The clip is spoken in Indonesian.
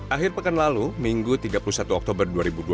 akhir pekan lalu minggu tiga puluh satu oktober dua ribu dua puluh